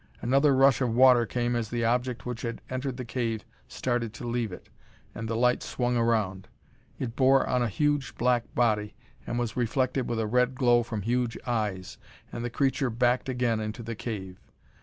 Another rush of water came as the object which had entered the cave started to leave it, and the light swung around. It bore on a huge black body, and was reflected with a red glow from huge eyes, and the creature backed again into the cave.